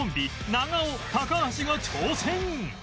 長尾高橋が挑戦